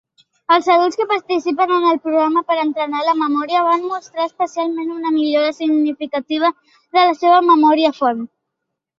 Els adults que participaren en el programa per entrenar la memòria van mostrar especialment una millora significativa de la seva memòria font.